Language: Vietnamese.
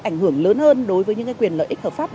ảnh hưởng lớn hơn đối với những quyền lợi ích hợp pháp